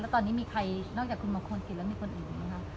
แล้วตอนนี้มีใครนอกจากคุณบังคุณกิจและมีใครอีกนะฮะ